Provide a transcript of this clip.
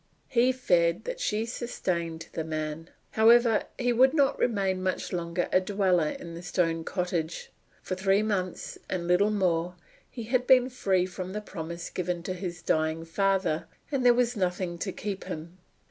He feared that she sustained the man. However, he would not remain much longer a dweller in the stone cottage. For three months, and little more, he had been free from the promise given to his dying father, and there was nothing to keep him.